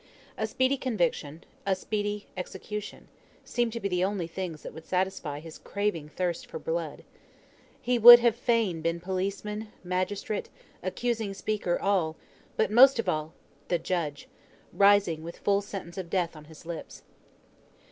A speedy conviction, a speedy execution, seemed to be the only things that would satisfy his craving thirst for blood. He would have fain been policeman, magistrate, accusing speaker, all; but most of all, the judge, rising with full sentence of death on his lips.